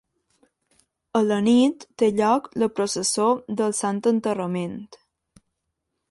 A la nit té lloc la processó del Sant Enterrament.